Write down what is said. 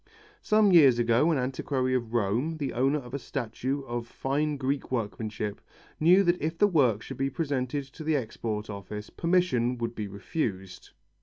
Some years ago an antiquary of Rome, the owner of a statue of fine Greek workmanship, knew that if the work should be presented to the Export Office, permission would be refused.